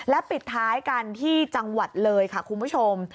ปิดท้ายกันที่จังหวัดเลยค่ะคุณผู้ชม